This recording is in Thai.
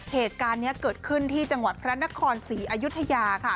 เหตุการณ์นี้เกิดขึ้นที่จังหวัดพระนครศรีอยุธยาค่ะ